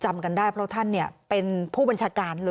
จำกันได้เพราะท่านเป็นผู้บัญชาการเลย